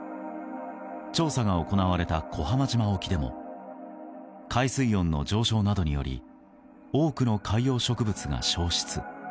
調査が行われた小浜島沖でも海水温の上昇などにより多くの海洋植物が消失。